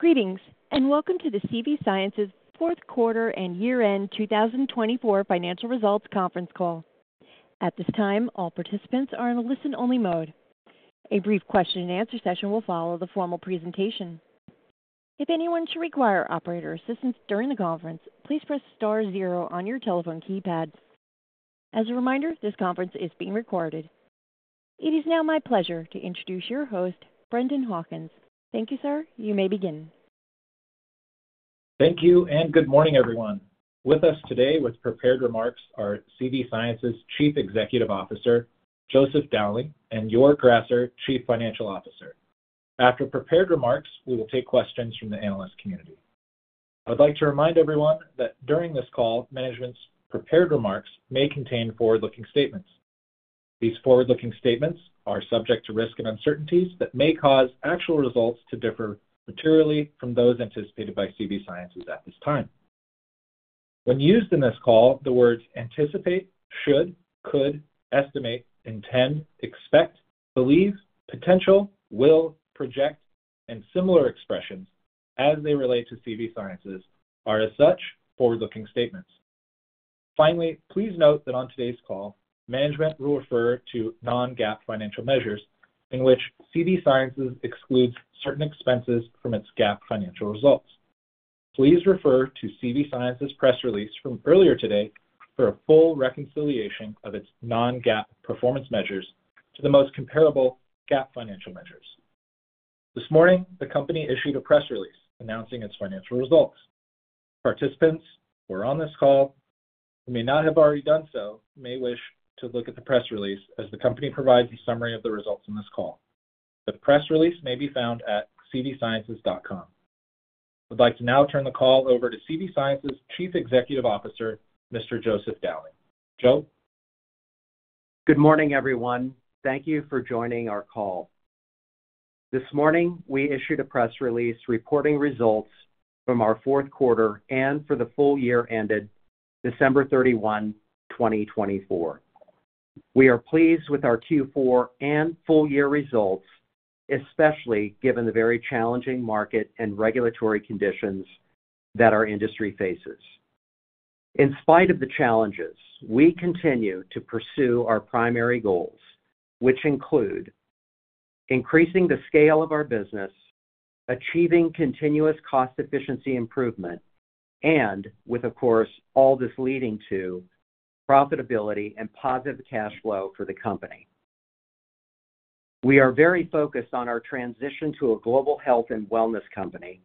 Greetings, and welcome to the CV Sciences fourth quarter and year-end 2024 financial results conference call. At this time, all participants are in a listen-only mode. A brief question-and-answer session will follow the formal presentation. If anyone should require operator assistance during the conference, please press star zero on your telephone keypad. As a reminder, this conference is being recorded. It is now my pleasure to introduce your host, Brendan Hawkins. Thank you, sir. You may begin. Thank you, and good morning, everyone. With us today with prepared remarks are CV Sciences Chief Executive Officer, Joseph Dowling, and Joerg Grasser, Chief Financial Officer. After prepared remarks, we will take questions from the analyst community. I would like to remind everyone that during this call, management's prepared remarks may contain forward-looking statements. These forward-looking statements are subject to risk and uncertainties that may cause actual results to differ materially from those anticipated by CV Sciences at this time. When used in this call, the words anticipate, should, could, estimate, intend, expect, believe, potential, will, project, and similar expressions as they relate to CV Sciences are, as such, forward-looking statements. Finally, please note that on today's call, management will refer to non-GAAP financial measures in which CV Sciences excludes certain expenses from its GAAP financial results. Please refer to CV Sciences' press release from earlier today for a full reconciliation of its non-GAAP performance measures to the most comparable GAAP financial measures. This morning, the company issued a press release announcing its financial results. Participants who are on this call, who may not have already done so, may wish to look at the press release as the company provides a summary of the results in this call. The press release may be found at cvsciences.com. I would like to now turn the call over to CV Sciences Chief Executive Officer, Mr. Joseph Dowling. Joe? Good morning, everyone. Thank you for joining our call. This morning, we issued a press release reporting results from our fourth quarter and for the full year ended December 31, 2024. We are pleased with our Q4 and full-year results, especially given the very challenging market and regulatory conditions that our industry faces. In spite of the challenges, we continue to pursue our primary goals, which include increasing the scale of our business, achieving continuous cost-efficiency improvement, and, of course, all this leading to profitability and positive cash flow for the company. We are very focused on our transition to a global health and wellness company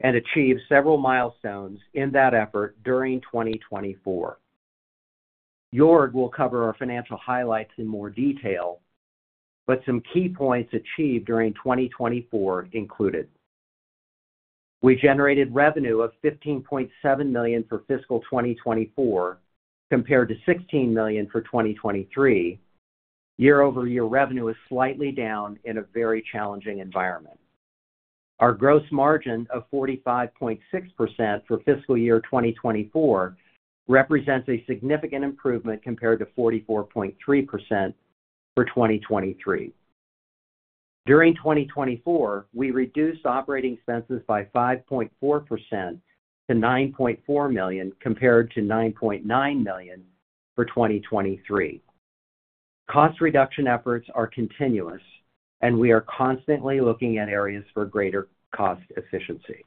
and achieved several milestones in that effort during 2024. Joerg will cover our financial highlights in more detail, but some key points achieved during 2024 included. We generated revenue of $15.7 million for fiscal 2024 compared to $16 million for 2023. Year-over-year revenue is slightly down in a very challenging environment. Our gross margin of 45.6% for fiscal year 2024 represents a significant improvement compared to 44.3% for 2023. During 2024, we reduced operating expenses by 5.4% to $9.4 million compared to $9.9 million for 2023. Cost reduction efforts are continuous, and we are constantly looking at areas for greater cost efficiency.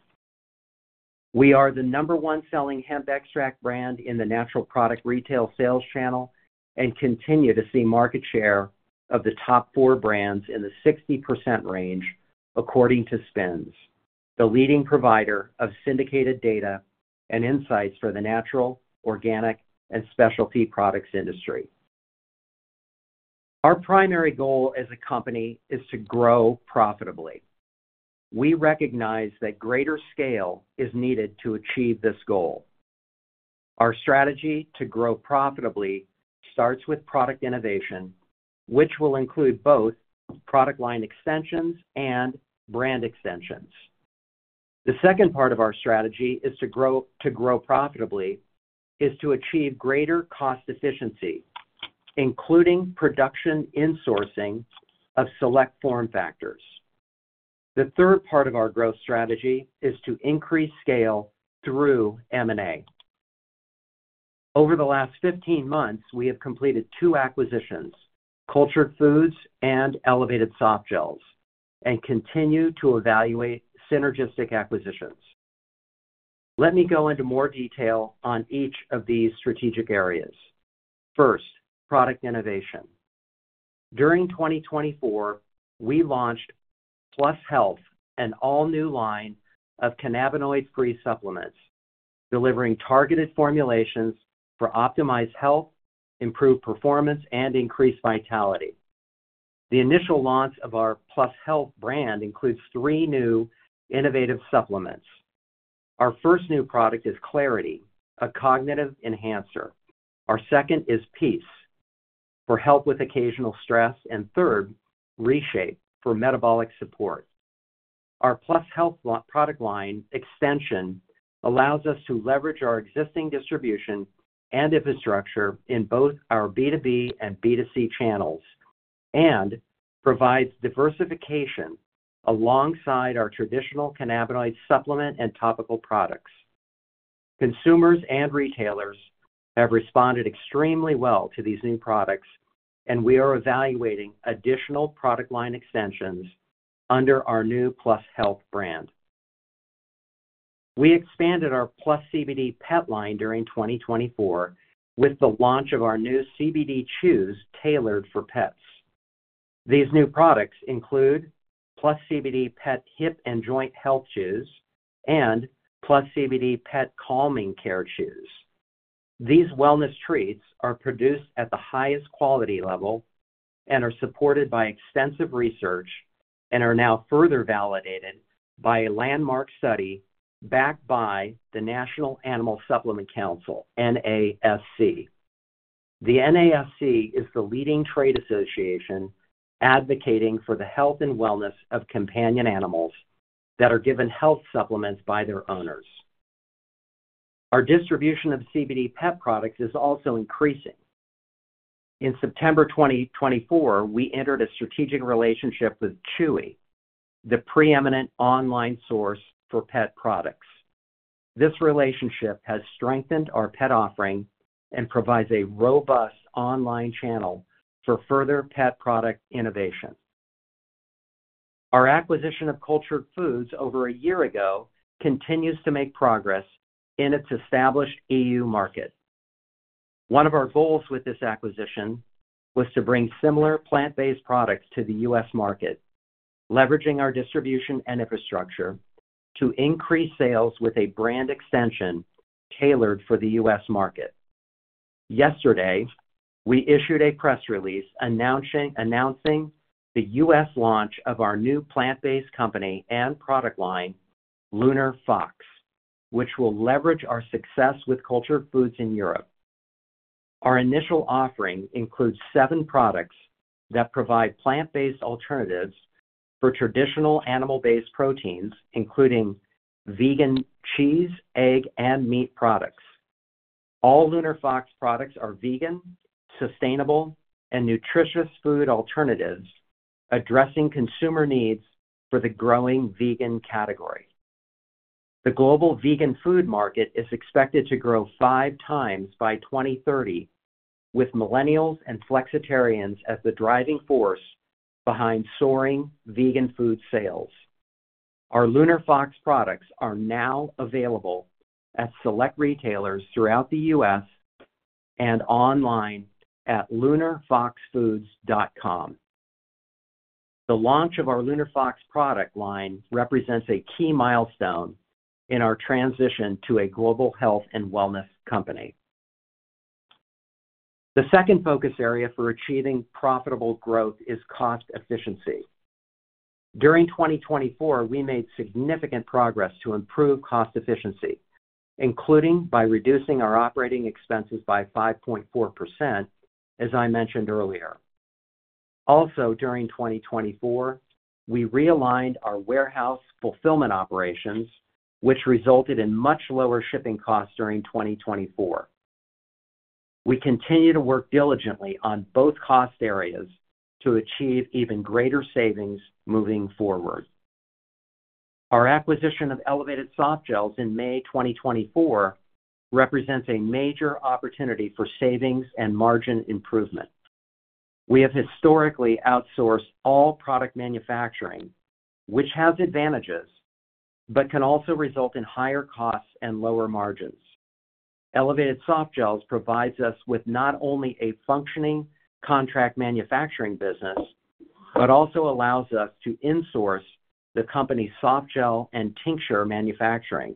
We are the number one selling hemp extract brand in the natural product retail sales channel and continue to see market share of the top four brands in the 60% range according to SPINS, the leading provider of syndicated data and insights for the natural, organic, and specialty products industry. Our primary goal as a company is to grow profitably. We recognize that greater scale is needed to achieve this goal. Our strategy to grow profitably starts with product innovation, which will include both product line extensions and brand extensions. The second part of our strategy to grow profitably is to achieve greater cost efficiency, including production insourcing of select form factors. The third part of our growth strategy is to increase scale through M&A. Over the last 15 months, we have completed two acquisitions: Cultured Foods and Elevated Softgels, and continue to evaluate synergistic acquisitions. Let me go into more detail on each of these strategic areas. First, product innovation. During 2024, we launched PlusHealth, an all-new line of cannabinoid-free supplements, delivering targeted formulations for optimized health, improved performance, and increased vitality. The initial launch of our PlusHealth brand includes three new innovative supplements. Our first new product is Clarity, a cognitive enhancer. Our second is Peace for help with occasional stress, and third, Shape for metabolic support. Our PlusHealth product line extension allows us to leverage our existing distribution and infrastructure in both our B2B and B2C channels and provides diversification alongside our traditional cannabinoid supplement and topical products. Consumers and retailers have responded extremely well to these new products, and we are evaluating additional product line extensions under our new PlusHealth brand. We expanded our PlusCBD pet line during 2024 with the launch of our new CBD Chews tailored for pets. These new products include PlusCBD Pet Hip and Joint Health Chews and PlusCBD Pet Calming Care Chews. These wellness treats are produced at the highest quality level and are supported by extensive research and are now further validated by a landmark study backed by the National Animal Supplement Council, NASC. The NASC is the leading trade association advocating for the health and wellness of companion animals that are given health supplements by their owners. Our distribution of CBD pet products is also increasing. In September 2024, we entered a strategic relationship with Chewy, the preeminent online source for pet products. This relationship has strengthened our pet offering and provides a robust online channel for further pet product innovation. Our acquisition of Cultured Foods over a year ago continues to make progress in its established EU market. One of our goals with this acquisition was to bring similar plant-based products to the U.S. market, leveraging our distribution and infrastructure to increase sales with a brand extension tailored for the U.S. market. Yesterday, we issued a press release announcing the U.S. launch of our new plant-based company and product line, Lunar Fox, which will leverage our success with Cultured Foods in Europe. Our initial offering includes seven products that provide plant-based alternatives for traditional animal-based proteins, including vegan cheese, egg, and meat products. All Lunar Fox products are vegan, sustainable, and nutritious food alternatives, addressing consumer needs for the growing vegan category. The global vegan food market is expected to grow five times by 2030, with millennials and flexitarians as the driving force behind soaring vegan food sales. Our Lunar Fox products are now available at select retailers throughout the U.S. and online at lunarfoxfoods.com. The launch of our Lunar Fox product line represents a key milestone in our transition to a global health and wellness company. The second focus area for achieving profitable growth is cost efficiency. During 2024, we made significant progress to improve cost efficiency, including by reducing our operating expenses by 5.4%, as I mentioned earlier. Also, during 2024, we realigned our warehouse fulfillment operations, which resulted in much lower shipping costs during 2024. We continue to work diligently on both cost areas to achieve even greater savings moving forward. Our acquisition of Elevated Softgels in May 2024 represents a major opportunity for savings and margin improvement. We have historically outsourced all product manufacturing, which has advantages but can also result in higher costs and lower margins. Elevated Softgels provides us with not only a functioning contract manufacturing business but also allows us to insource the company's soft gel and tincture manufacturing.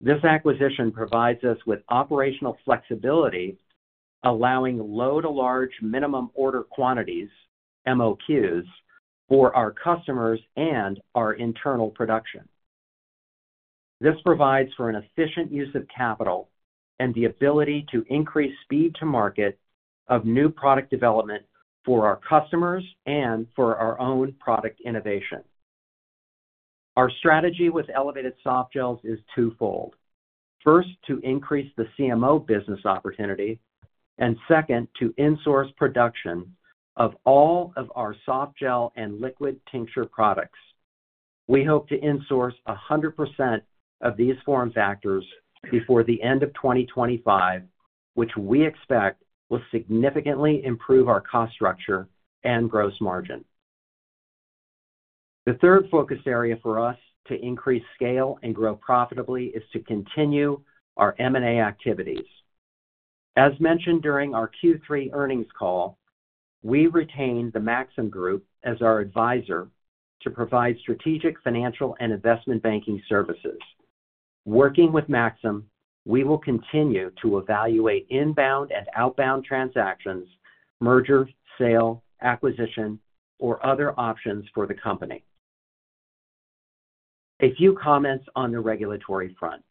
This acquisition provides us with operational flexibility, allowing low-to-large minimum order quantities, MOQs, for our customers and our internal production. This provides for an efficient use of capital and the ability to increase speed to market of new product development for our customers and for our own product innovation. Our strategy with Elevated Softgels is twofold. First, to increase the CMO business opportunity, and second, to insource production of all of our soft gel and liquid tincture products. We hope to insource 100% of these form factors before the end of 2025, which we expect will significantly improve our cost structure and gross margin. The third focus area for us to increase scale and grow profitably is to continue our M&A activities. As mentioned during our Q3 earnings call, we retained the Maxim Group as our advisor to provide strategic financial and investment banking services. Working with Maxim, we will continue to evaluate inbound and outbound transactions, merger, sale, acquisition, or other options for the company. A few comments on the regulatory front.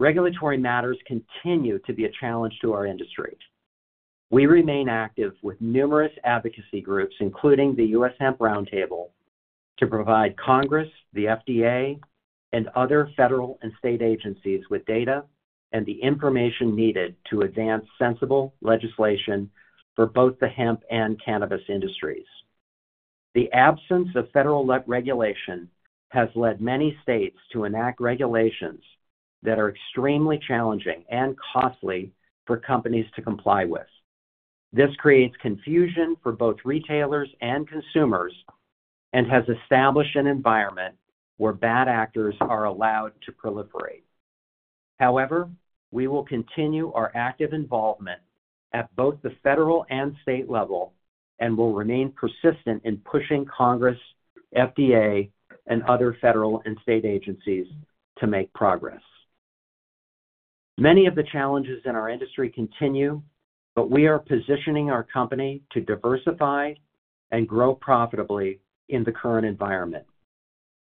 Regulatory matters continue to be a challenge to our industry. We remain active with numerous advocacy groups, including the U.S. Hemp Roundtable, to provide Congress, the FDA, and other federal and state agencies with data and the information needed to advance sensible legislation for both the hemp and cannabis industries. The absence of federal regulation has led many states to enact regulations that are extremely challenging and costly for companies to comply with. This creates confusion for both retailers and consumers and has established an environment where bad actors are allowed to proliferate. However, we will continue our active involvement at both the federal and state level and will remain persistent in pushing Congress, FDA, and other federal and state agencies to make progress. Many of the challenges in our industry continue, but we are positioning our company to diversify and grow profitably in the current environment.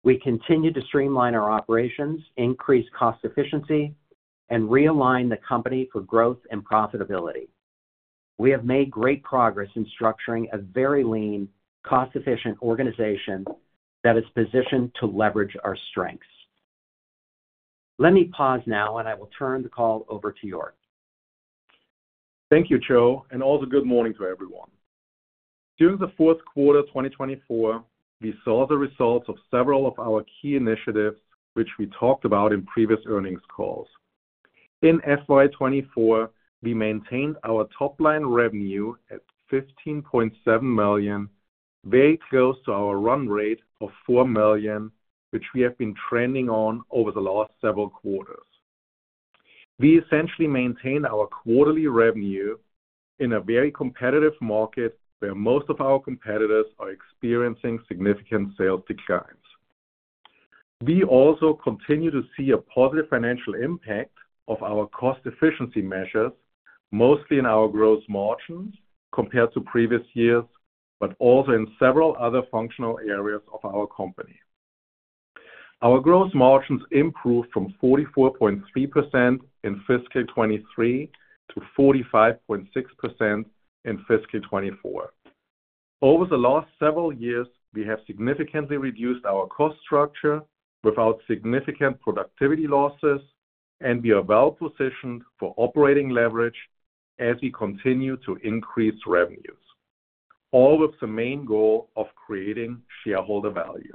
We continue to streamline our operations, increase cost efficiency, and realign the company for growth and profitability. We have made great progress in structuring a very lean, cost-efficient organization that is positioned to leverage our strengths. Let me pause now, and I will turn the call over to Joerg. Thank you, Joe, and also good morning to everyone. During the fourth quarter of 2024, we saw the results of several of our key initiatives, which we talked about in previous earnings calls. In 2024, we maintained our top-line revenue at $15.7 million, very close to our run rate of $4 million, which we have been trending on over the last several quarters. We essentially maintained our quarterly revenue in a very competitive market where most of our competitors are experiencing significant sales declines. We also continue to see a positive financial impact of our cost efficiency measures, mostly in our gross margins compared to previous years, but also in several other functional areas of our company. Our gross margins improved from 44.3% in fiscal 2023 to 45.6% in fiscal 2024. Over the last several years, we have significantly reduced our cost structure without significant productivity losses, and we are well positioned for operating leverage as we continue to increase revenues, all with the main goal of creating shareholder value.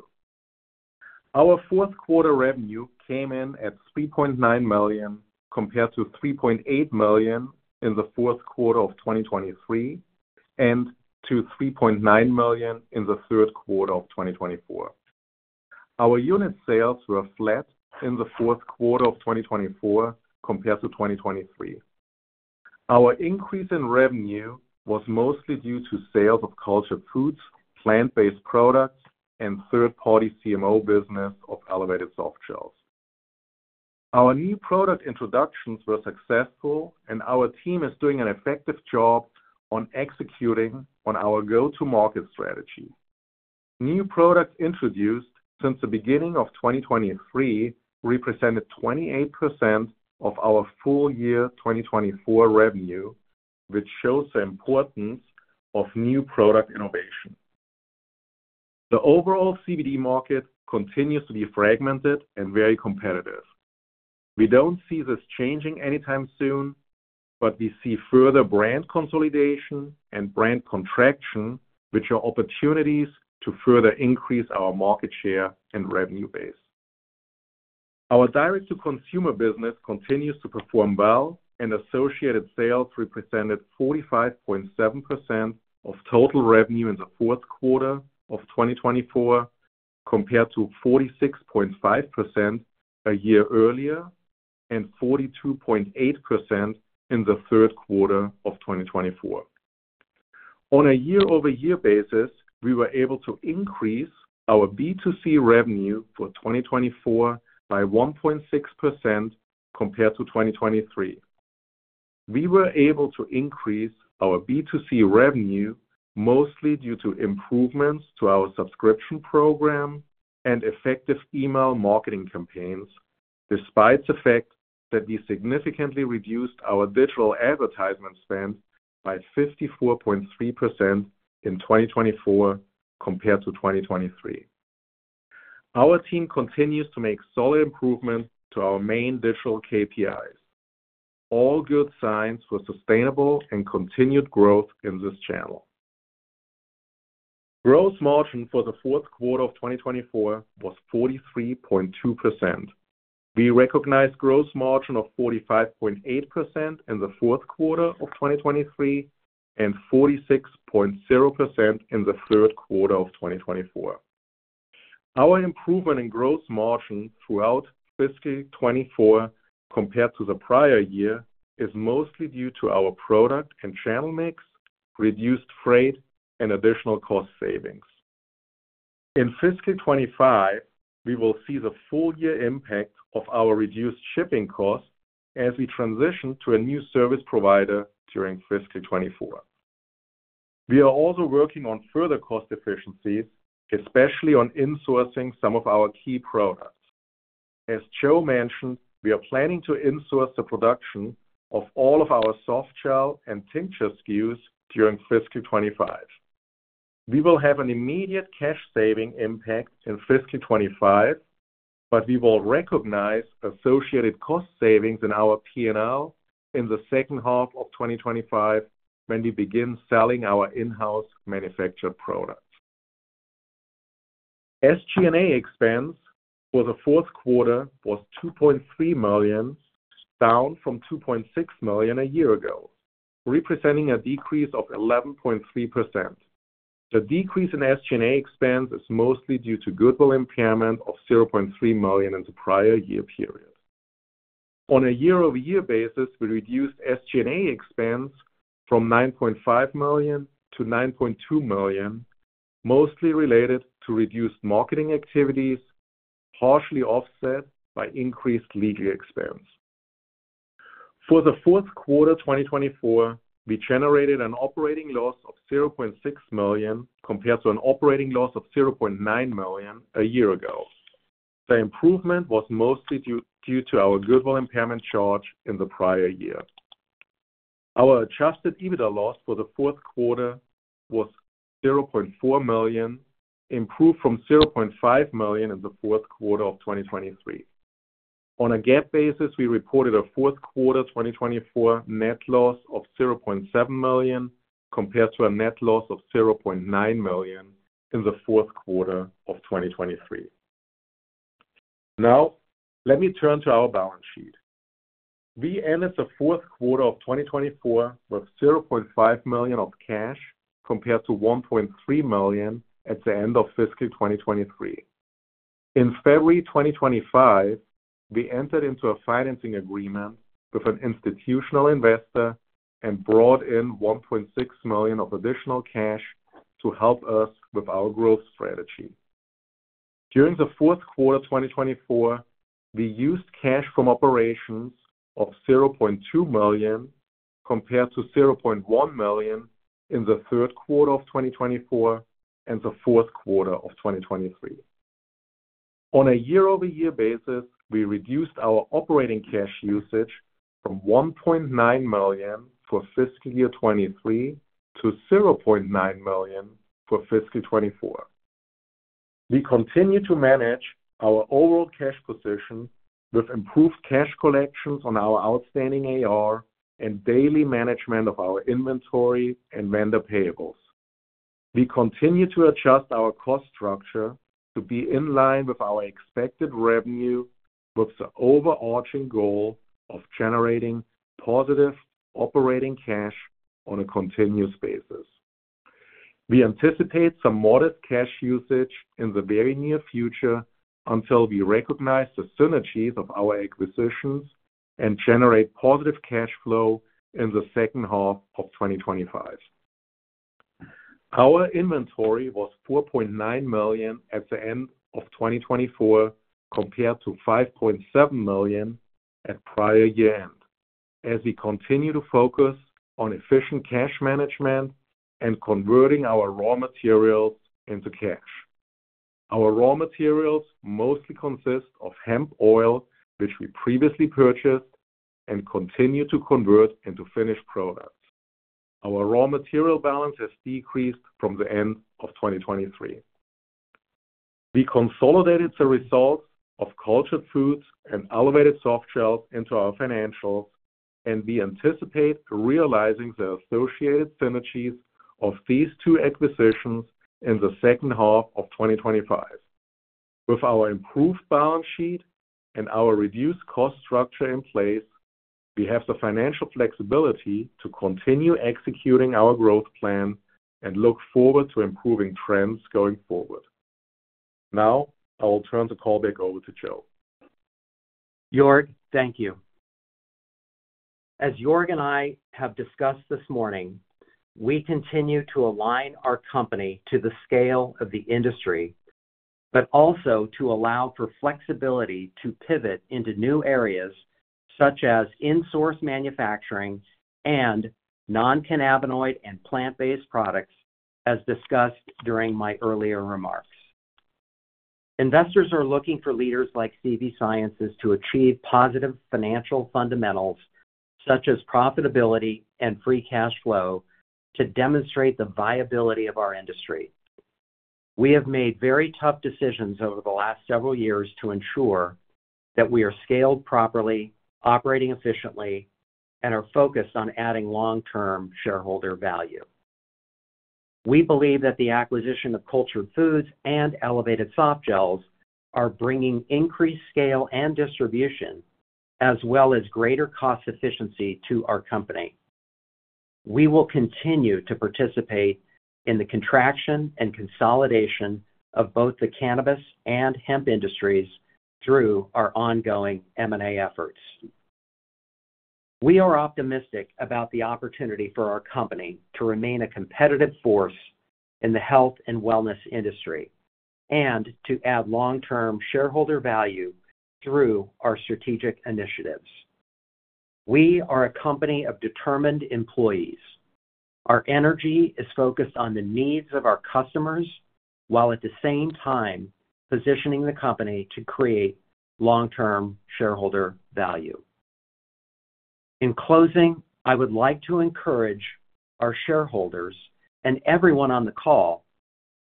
Our fourth quarter revenue came in at $3.9 million compared to $3.8 million in the fourth quarter of 2023 and to $3.9 million in the third quarter of 2024. Our unit sales were flat in the fourth quarter of 2024 compared to 2023. Our increase in revenue was mostly due to sales of Cultured Foods, plant-based products, and third-party CMO business of Elevated Softgels. Our new product introductions were successful, and our team is doing an effective job on executing on our go-to-market strategy. New products introduced since the beginning of 2023 represented 28% of our full year 2024 revenue, which shows the importance of new product innovation. The overall CBD market continues to be fragmented and very competitive. We do not see this changing anytime soon, but we see further brand consolidation and brand contraction, which are opportunities to further increase our market share and revenue base. Our direct-to-consumer business continues to perform well, and associated sales represented 45.7% of total revenue in the fourth quarter of 2024 compared to 46.5% a year earlier and 42.8% in the third quarter of 2024. On a year-over-year basis, we were able to increase our B2C revenue for 2024 by 1.6% compared to 2023. We were able to increase our B2C revenue mostly due to improvements to our subscription program and effective email marketing campaigns, despite the fact that we significantly reduced our digital advertisement spend by 54.3% in 2024 compared to 2023. Our team continues to make solid improvements to our main digital KPIs. All good signs for sustainable and continued growth in this channel. Gross margin for the fourth quarter of 2024 was 43.2%. We recognized gross margin of 45.8% in the fourth quarter of 2023 and 46.0% in the third quarter of 2024. Our improvement in gross margin throughout fiscal 2024 compared to the prior year is mostly due to our product and channel mix, reduced freight, and additional cost savings. In fiscal 2025, we will see the full year impact of our reduced shipping costs as we transition to a new service provider during fiscal 2024. We are also working on further cost efficiencies, especially on insourcing some of our key products. As Joerg mentioned, we are planning to insource the production of all of our soft gel and tincture SKUs during fiscal 2025. We will have an immediate cash saving impact in fiscal 2025, but we will recognize associated cost savings in our P&L in the second half of 2025 when we begin selling our in-house manufactured products. SG&A expense for the fourth quarter was $2.3 million, down from $2.6 million a year ago, representing a decrease of 11.3%. The decrease in SG&A expense is mostly due to goodwill impairment of $0.3 million in the prior year period. On a year-over-year basis, we reduced SG&A expense from $9.5 million to $9.2 million, mostly related to reduced marketing activities, partially offset by increased legal expense. For the fourth quarter 2024, we generated an operating loss of $0.6 million compared to an operating loss of $0.9 million a year ago. The improvement was mostly due to our goodwill impairment charge in the prior year. Our adjusted EBITDA loss for the fourth quarter was $0.4 million, improved from $0.5 million in the fourth quarter of 2023. On a GAAP basis, we reported a fourth quarter 2024 net loss of $0.7 million compared to a net loss of $0.9 million in the fourth quarter of 2023. Now, let me turn to our balance sheet. We ended the fourth quarter of 2024 with $0.5 million of cash compared to $1.3 million at the end of fiscal 2023. In February 2025, we entered into a financing agreement with an institutional investor and brought in $1.6 million of additional cash to help us with our growth strategy. During the fourth quarter 2024, we used cash from operations of $0.2 million compared to $0.1 million in the third quarter of 2024 and the fourth quarter of 2023. On a year-over-year basis, we reduced our operating cash usage from $1.9 million for fiscal year 2023 to $0.9 million for fiscal 2024. We continue to manage our overall cash position with improved cash collections on our outstanding AR and daily management of our inventory and vendor payables. We continue to adjust our cost structure to be in line with our expected revenue with the overarching goal of generating positive operating cash on a continuous basis. We anticipate some modest cash usage in the very near future until we recognize the synergies of our acquisitions and generate positive cash flow in the second half of 2025. Our inventory was $4.9 million at the end of 2024 compared to $5.7 million at prior year end, as we continue to focus on efficient cash management and converting our raw materials into cash. Our raw materials mostly consist of hemp oil, which we previously purchased and continue to convert into finished products. Our raw material balance has decreased from the end of 2023. We consolidated the results of Cultured Foods and Elevated Softgels into our financials, and we anticipate realizing the associated synergies of these two acquisitions in the second half of 2025. With our improved balance sheet and our reduced cost structure in place, we have the financial flexibility to continue executing our growth plan and look forward to improving trends going forward. Now, I will turn the call back over to Joe. Joerg, thank you. As Joerg and I have discussed this morning, we continue to align our company to the scale of the industry, but also to allow for flexibility to pivot into new areas such as in-source manufacturing and non-cannabinoid and plant-based products, as discussed during my earlier remarks. Investors are looking for leaders like CV Sciences to achieve positive financial fundamentals such as profitability and free cash flow to demonstrate the viability of our industry. We have made very tough decisions over the last several years to ensure that we are scaled properly, operating efficiently, and are focused on adding long-term shareholder value. We believe that the acquisition of Cultured Foods and Elevated Softgels are bringing increased scale and distribution, as well as greater cost efficiency to our company. We will continue to participate in the contraction and consolidation of both the cannabis and hemp industries through our ongoing M&A efforts. We are optimistic about the opportunity for our company to remain a competitive force in the health and wellness industry and to add long-term shareholder value through our strategic initiatives. We are a company of determined employees. Our energy is focused on the needs of our customers while at the same time positioning the company to create long-term shareholder value. In closing, I would like to encourage our shareholders and everyone on the call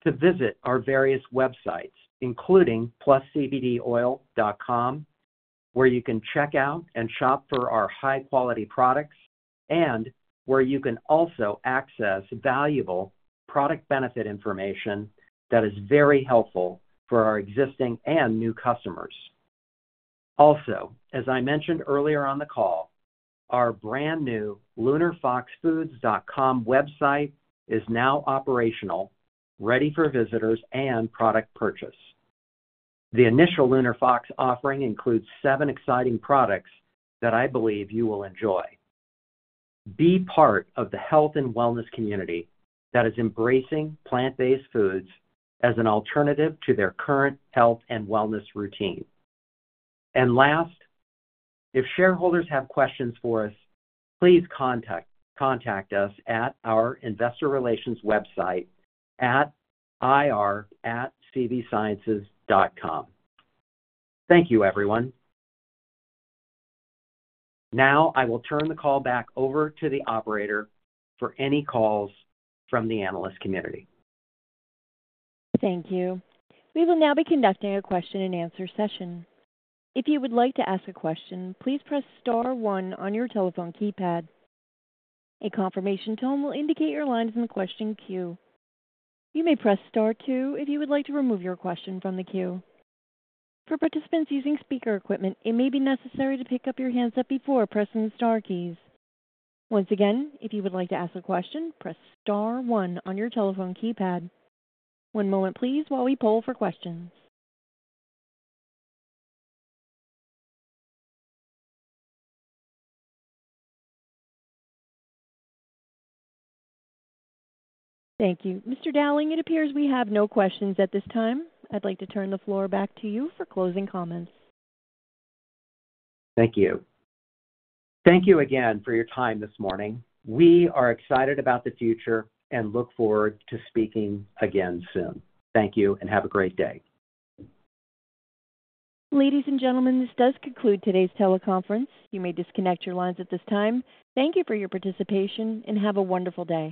to visit our various websites, including PlusCBDOil.com, where you can check out and shop for our high-quality products, and where you can also access valuable product benefit information that is very helpful for our existing and new customers. Also, as I mentioned earlier on the call, our brand new LunarFoxFoods.com website is now operational, ready for visitors and product purchase. The initial Lunar Fox offering includes seven exciting products that I believe you will enjoy. Be part of the health and wellness community that is embracing plant-based foods as an alternative to their current health and wellness routine. Last, if shareholders have questions for us, please contact us at our investor relations website at ir@cvsciences.com. Thank you, everyone. Now, I will turn the call back over to the operator for any calls from the analyst community. Thank you. We will now be conducting a question-and-answer session. If you would like to ask a question, please press Star 1 on your telephone keypad. A confirmation tone will indicate your line is in the question queue. You may press Star 2 if you would like to remove your question from the queue. For participants using speaker equipment, it may be necessary to pick up your handset before pressing the Star keys. Once again, if you would like to ask a question, press Star 1 on your telephone keypad. One moment, please, while we poll for questions. Thank you. Mr. Dowling, it appears we have no questions at this time. I'd like to turn the floor back to you for closing comments. Thank you. Thank you again for your time this morning. We are excited about the future and look forward to speaking again soon. Thank you and have a great day. Ladies and gentlemen, this does conclude today's teleconference. You may disconnect your lines at this time. Thank you for your participation and have a wonderful day.